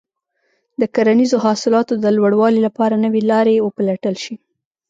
د کرنیزو حاصلاتو د لوړوالي لپاره نوې لارې وپلټل شي.